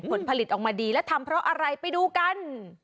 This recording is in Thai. ผลผลิตออกมาดีและทำเพราะอะไรไปดูกัน